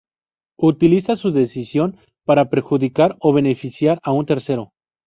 Utiliza su decisión para perjudicar o beneficiar a un tercero.